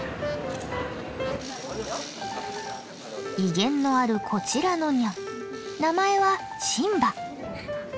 威厳のあるこちらのニャン名前はシンバ。